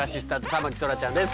田牧そらちゃんです。